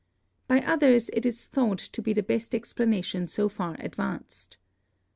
By others it is thought to be the best ex planation so far advanced.